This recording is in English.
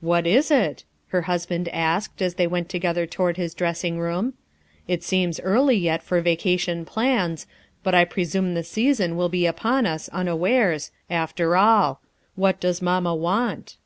"What is that?" her husband asked as they went together toward his dressing room. "It seems early yet for vacation plans, but I pre sume the season will be upon us unawares, after all. What does Maninia want?"